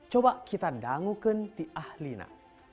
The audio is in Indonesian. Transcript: coba kita dangukin di ahlina